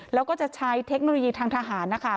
แล้วก็จะใช้เทคโนโลยีทางทหารนะคะ